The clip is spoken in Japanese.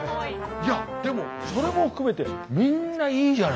いやでもそれも含めてみんないいじゃないですか。